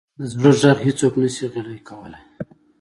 د زړه ږغ هیڅوک نه شي غلی کولی.